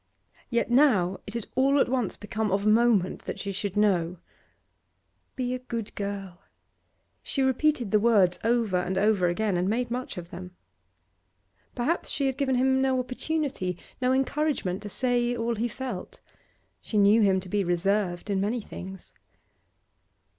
Yet now it had all at once become of moment that she should know. 'Be a good girl.' She repeated the words over and over again, and made much of them. Perhaps she had given him no opportunity, no encouragement, to say all he felt; she knew him to be reserved in many things.